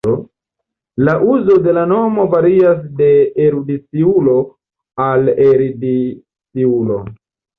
La uzo de la nomo varias de erudiciulo al erudiciulo.